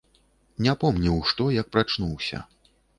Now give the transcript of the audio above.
Не помніў што, як прачнуўся.